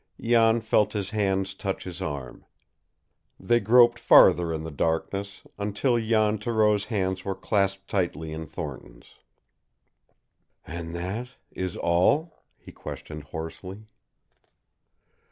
Jan felt his hands touch his arm. They groped farther in the darkness, until Jan Thoreau's hands were clasped tightly in Thornton's. "And that is all?" he questioned hoarsely.